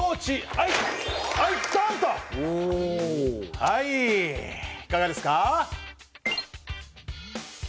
はいいかがですか？